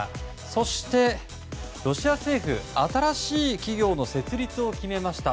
そして、ロシア政府新しい企業の設立を決めました。